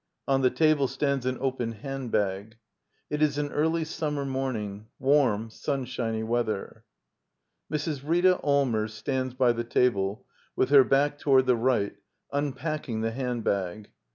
On the table stands an open hand bag. It is an early summer morning; warm, sunshiny weather. *. Mrs. Rita Allmers stands by the table, with her bacii toward the right, unpacking the hand bag.